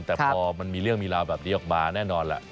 แต่พอมันมีเรื่องมีราวแบบนี้ออกมาแน่นอนแหละ